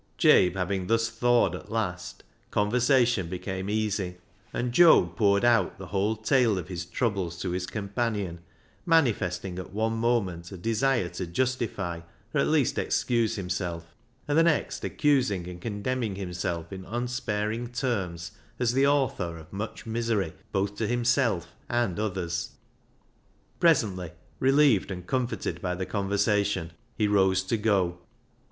Jabe having thus thawed at last, conversation became easy, and Job poured out the whole tale of his troubles to his companion, manifesting at one moment a desire to justify, or, at least, excuse himself, and the next accusing and condemning himself in unsparing terms as the author of much misery both to himself and others. Presently, relieved and comforted by the conversation, he rose to go.